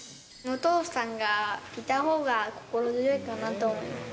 お父さんがいたほうが心強いかなと思います。